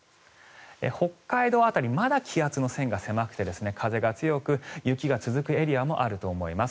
北海道辺りまだ気圧の線が狭くて風が強く、雪が続くエリアもあると思います。